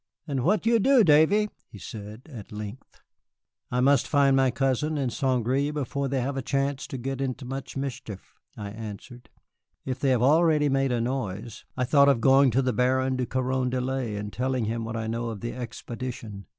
"And what you do, Davy?" he said at length. "I must find my cousin and St. Gré before they have a chance to get into much mischief," I answered. "If they have already made a noise, I thought of going to the Baron de Carondelet and telling him what I know of the expedition.